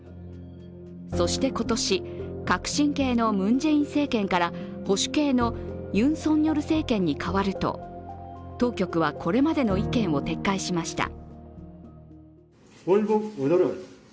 そして、今年、革新系のムン・ジェイン政権から保守系のユン・ソンニョル政権に変わると、当局はこれまでの意見を撤回しました。